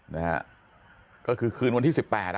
นะฮะก็คือคืนวันที่๑๘